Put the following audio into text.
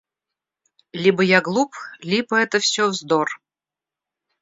Либо я глуп, либо это все - вздор.